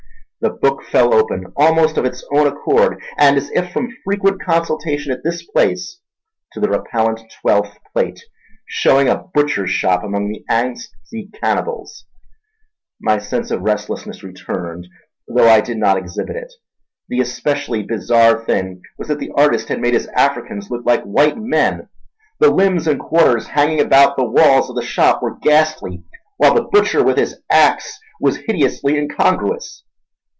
The book fell open, almost of its own accord and as if from frequent consultation at this place, to the repellent twelfth plate shewing a butcher's shop amongst the Anzique cannibals. My sense of restlessness returned, though I did not exhibit it. The especially bizarre thing was that the artist had made his Africans look like white men—the limbs and quarters hanging about the walls of the shop were ghastly, while the butcher with his axe was hideously incongruous.